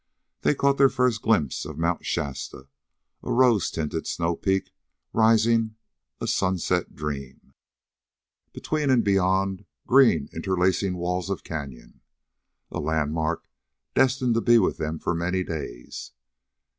They caught their first glimpse of Mt. Shasta, a rose tinted snow peak rising, a sunset dream, between and beyond green interlacing walls of canyon a landmark destined to be with them for many days.